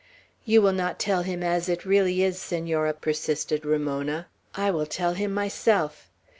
"You will not tell him as it really is, Senora," persisted Ramona. "I will tell him myself."